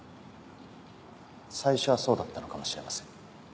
最初はそうだったのかもしれません。